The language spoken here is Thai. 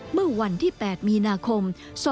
เมื่อวันที่๘มีนาคม๒๕๖